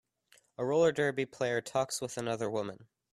A roller derby player talks with another woman.